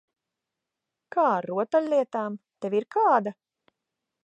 Kā ar rotaļlietām? Tev ir kāda?